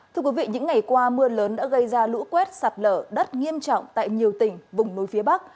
thưa quý vị những ngày qua mưa lớn đã gây ra lũ quét sạt lở đất nghiêm trọng tại nhiều tỉnh vùng núi phía bắc